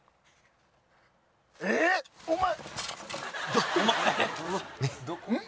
えっ？お前。